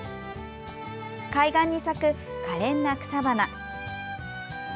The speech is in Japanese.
海岸に咲く、かれんな草花。